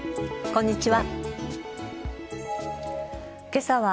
こんにちは。